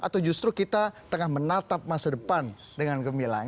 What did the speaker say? atau justru kita tengah menatap masa depan dengan gemilang